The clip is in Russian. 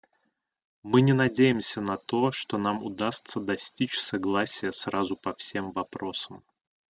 Мы не надеемся на то, что нам удастся достичь согласия сразу по всем вопросам.